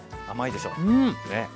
甘いでしょね。